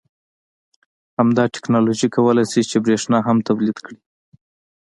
همدا تکنالوژي کولای شي چې بریښنا هم تولید کړي